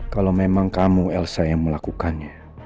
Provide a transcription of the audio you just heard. kalau memang kamu elsa yang melakukannya